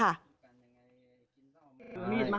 นานแล้วค่ะ